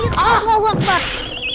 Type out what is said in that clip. ya allah ya allah